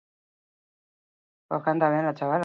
Lantokietan nahitaezkoa izango da maskara erabiltzea.